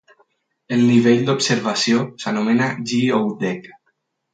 El nivell d'observació s'anomena "GeO-Deck".